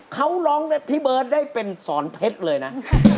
เขาร้องพี่เบิร์ตได้เป็นสอนเพชรเลยนะ